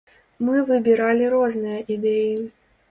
Мы выбіралі розныя ідэі.